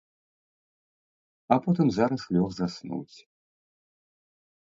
А потым зараз лёг заснуць.